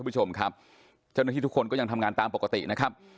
คุณผู้ชมครับเจ้าหน้าที่ทุกคนก็ยังทำงานตามปกตินะครับ